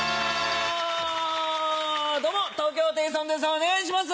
お願いします！